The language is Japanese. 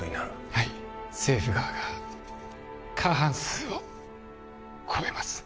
はい政府側が過半数を超えます